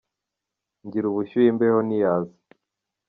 Ngira ubushyuhe imbeho ntiyaza